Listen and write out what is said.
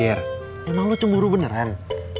emang lo cemburu beneran